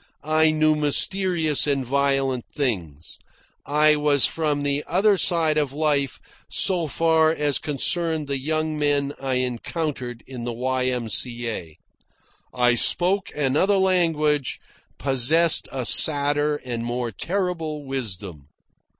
I knew mysterious and violent things. I was from the other side of life so far as concerned the young men I encountered in the Y.M.C.A. I spoke another language, possessed a sadder and more terrible wisdom.